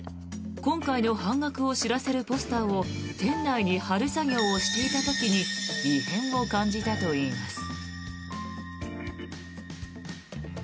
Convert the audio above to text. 今回の半額を知らせるポスターを店内に貼る作業をしていた時に異変を感じたといいます。